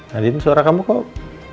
nah din suara kamu kok